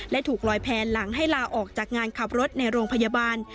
และถูกลอยแพนหลังให้ลาออกจากงานขับรถในโรงพยาบาล